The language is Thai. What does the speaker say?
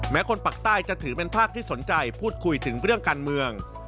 คนปากใต้จะถือเป็นภาคที่สนใจพูดคุยถึงเรื่องการเมือง